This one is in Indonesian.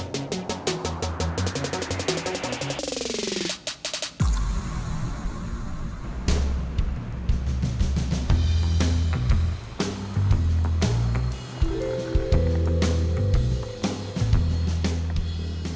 tidak tidak tidak